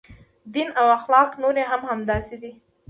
دین او اخلاق نورې هم همداسې دي.